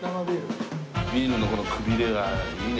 ビールのこのくびれがいいね。